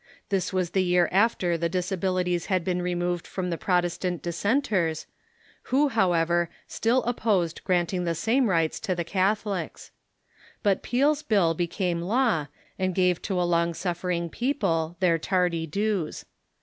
This was the year after the 396 THE MODERX CHURCH • disabilities bad been removed from tbe Protestant dissenters, who, however, still opposed granting the same rights to the Catholics. But Peel's bill became law, and gave to a long suffering people their tardy dues.